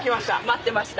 待ってました。